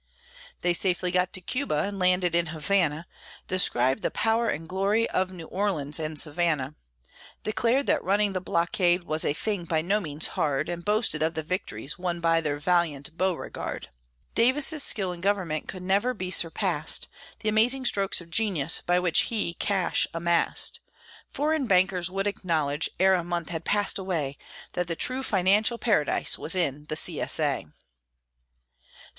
They safely got to Cuba and landed in Havana; Described the power and glory of New Orleans and Savannah; Declared that running the blockade was a thing by no means hard, And boasted of the vic'tries won by their valiant Beauregard; Davis's skill in government could never be surpassed The amazing strokes of genius by which he cash amassed; Foreign bankers would acknowledge, ere a month had passed away, That the true financial paradise was in the C. S. A.